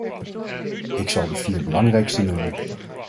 Ik zal de vier belangrijkste noemen.